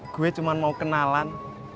gue cuma mau kenalan